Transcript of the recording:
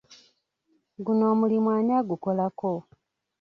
Guno omulimu ani agukolako?